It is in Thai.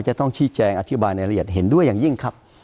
จะต้องชี้แจงอธิบายในละเอียดเห็นด้วยอย่างยิ่งครับ